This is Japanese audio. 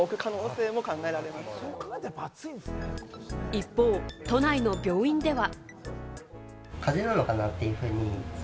一方、都内の病院では。